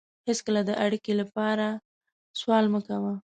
هېڅکله د اړیکې لپاره سوال مه کوه.